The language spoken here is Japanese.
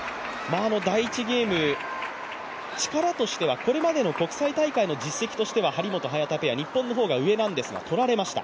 第１ゲーム、力としてはこれまでの国際大会の実績としては張本・早田ペア、日本の方が上なんですが、とられました。